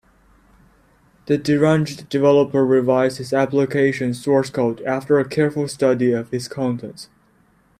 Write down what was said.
The deranged developer revised his application source code after a careful study of its contents.